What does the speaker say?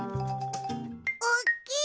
おっきい。